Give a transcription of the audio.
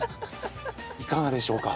いかがでしょうか？